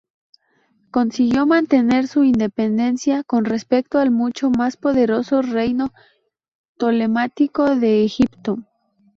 Consiguió mantener su independencia con respecto al mucho más poderoso reino ptolemaico de Egipto.